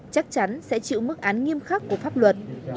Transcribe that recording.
chắc chắn sẽ chịu mức án nghiêm khắc của pháp luật